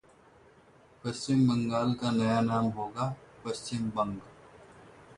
पश्चिम बंगाल का नया नाम होगा पश्चिमबंग